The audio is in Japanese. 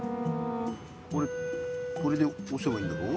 これでおせばいいんだろ？